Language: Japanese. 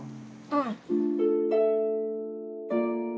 うん。